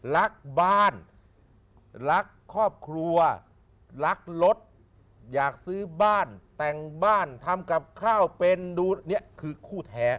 รักบ้านรักครอบครัวรักรถอยากซื้อบ้านแต่งบ้านทำกับข้าวเป็นดูเนี่ยคือคู่แท้